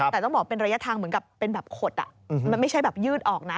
แต่ต้องบอกเป็นระยะทางเหมือนกับเป็นแบบขดมันไม่ใช่แบบยืดออกนะ